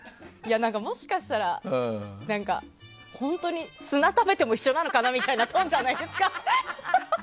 もしかしたら本当に砂を食べても一緒なのかなみたいなトーンじゃないですか。